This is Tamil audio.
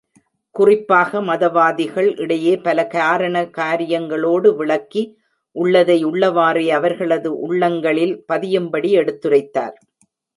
குறிப்பாக மதவாதிகள் இடையே பல காரண காரியங்களோடு விளக்கி, உள்ளதை உள்ளவாறே அவர்களது உள்ளங்களிலே பதியும்படி எடுத்துரைத்தார்.